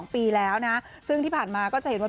๒ปีแล้วนะซึ่งที่ผ่านมาก็จะเห็นว่า